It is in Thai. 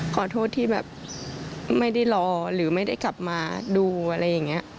ขอโทษที่แบบไม่ได้รอหรือไม่ได้กลับมาดูอะไรอย่างนี้